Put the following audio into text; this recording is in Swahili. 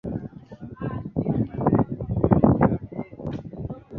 ari rafiki na edwin david ndeketela